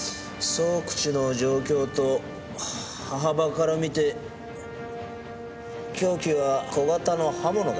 創口の状況と刃幅からみて凶器は小型の刃物だな。